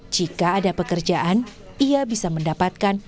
jika ada pekerjaan raihan akan berjalan